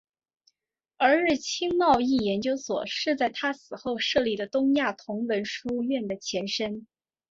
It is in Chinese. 而日清贸易研究所是在他死后设立的东亚同文书院的前身。